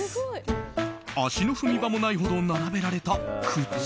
足の踏み場もないほど並べられた靴。